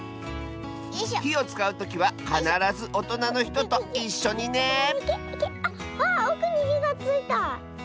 ひをつかうときはかならずおとなのひとといっしょにねあっわおくにひがついた。